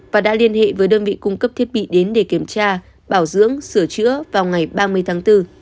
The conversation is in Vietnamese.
và đã liên hệ với đơn vị cung cấp thiết bị đến để kiểm tra bảo dưỡng sửa chữa vào ngày ba mươi tháng bốn